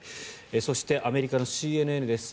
そして、アメリカのＣＮＮです。